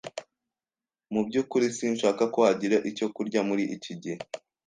Mu byukuri sinshaka ko hagira icyo kurya muri iki gihe.